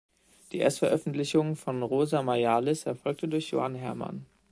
Die Erstveröffentlichung von "Rosa majalis" erfolgte durch Johann Herrmann.